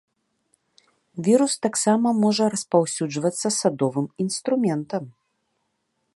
Вірус таксама можа распаўсюджвацца садовым інструментам.